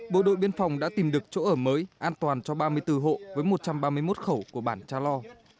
bộ đội biên phòng đã tìm được chỗ ở mới an toàn cho ba mươi bốn hộ với một trăm ba mươi một khẩu của bản cha lo